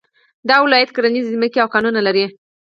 دا ولایت کرنيزې ځمکې او کانونه لري